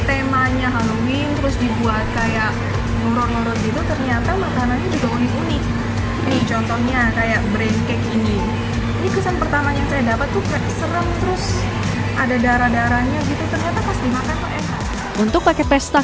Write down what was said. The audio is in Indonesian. pengunjung dapat menikmati suasana dekorasi dan kuliner yang disanjikan dan dapat berfoto selfie di berbentuk